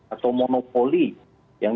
atau monopoli yang